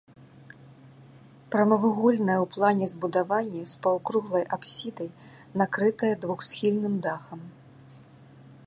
Прамавугольнае ў плане збудаванне з паўкруглай апсідай накрытае двухсхільным дахам.